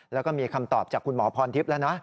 แล้วก็มีคำตอบจากคุณหมอพรทิพย์แล้วนะ